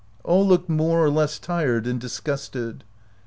All looked more or less tired and disgusted.